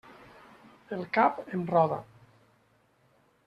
El cap em roda.